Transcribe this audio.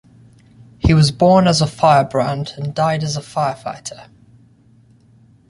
He was born as a firebrand and died as firefighter.